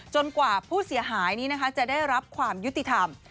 กว่าผู้เสียหายนี้จะได้รับความยุติธรรม